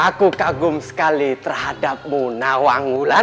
aku kagum sekali terhadapmu nawang wulan